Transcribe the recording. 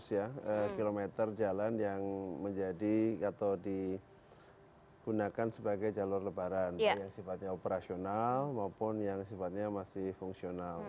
tiga ratus ya kilometer jalan yang menjadi atau digunakan sebagai jalur lebaran yang sifatnya operasional maupun yang sifatnya masih fungsional